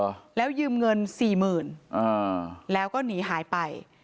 แล้วยืมเงินสี่หมื่นอ่าแล้วก็หนีหายไป